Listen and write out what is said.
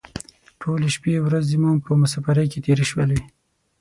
ټولې شپې او ورځې مو په مسافرۍ کې تېرې شولې.